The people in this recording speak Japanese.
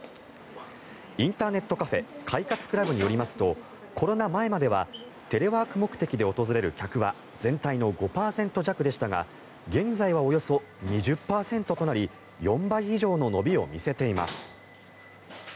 インターネットカフェ快活ＣＬＵＢによりますとコロナ前まではテレワーク目的で訪れる客は全体の５％弱でしたが現在はおよそ２０％となり４倍以上の伸びを見せています。